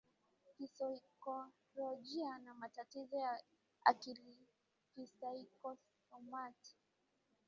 kisaikolojia na matatizo ya akilikisaikosomati